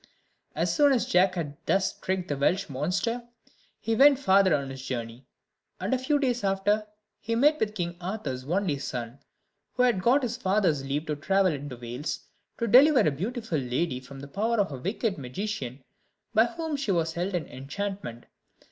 As soon as Jack had thus tricked the Welsh monster, he went farther on his journey; and, a few days after, he met with King Arthur's only son, who had got his father's leave to travel into Wales, to deliver a beautiful lady from the power of a wicked magician, by whom she was held in enchantment.